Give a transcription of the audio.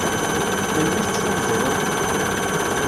Melmi i tettfunzureḍ?